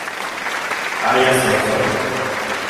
Hay ascensor.